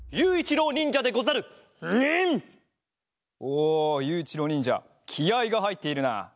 おゆういちろうにんじゃきあいがはいっているな。